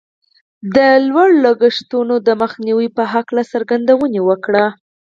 د لوړو لګښتونو د مخنیوي په هکله یې څرګندونې وکړې